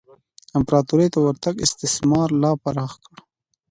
امپراتورۍ ته ورتګ استثمار لا پسې پراخ کړ.